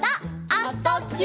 「あ・そ・ぎゅ」